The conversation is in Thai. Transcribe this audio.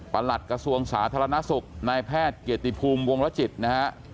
หลัดกระทรวงสาธารณสุขนายแพทย์เกียรติภูมิวงรจิตนะฮะ